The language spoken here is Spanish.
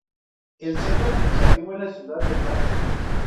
El centro administrativo es la ciudad de Mansa.